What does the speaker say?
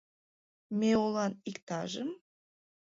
— Меолан иктажым?